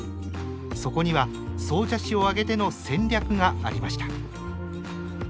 そこには総社市を挙げての戦略がありました。